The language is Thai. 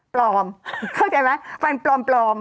ปลอมเข้าใจไหมฟันปลอม